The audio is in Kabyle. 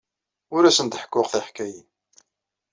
Ur asen-d-ḥekkuɣ tiḥkayin.